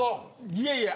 いやいや